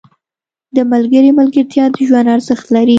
• د ملګري ملګرتیا د ژوند ارزښت لري.